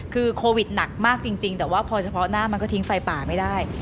คือโควิดหนักมากจริงแต่ว่าพอเฉพาะหน้ามันก็ทิ้งไฟป่าไม่ได้